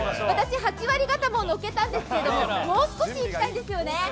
私、８割方もうのっけたんですけど、もう少しいきたいんですよね。